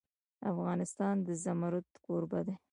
افغانستان د زمرد کوربه دی.